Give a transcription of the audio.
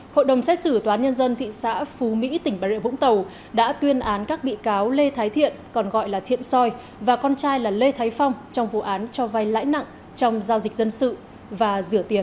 hội đồng xét xử toán nhân dân thị xã phú mỹ tỉnh bà rịa vũng tàu đã tuyên án các bị cáo lê thái thiện còn gọi là thiện soi và con trai là lê thái phong trong vụ án cho vai lãi nặng trong giao dịch dân sự và rửa tiền